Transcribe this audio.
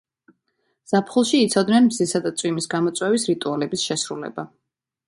ზაფხულში იცოდნენ მზისა და წვიმის გამოწვევის რიტუალების შესრულება.